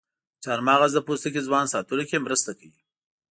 چارمغز د پوستکي ځوان ساتلو کې مرسته کوي.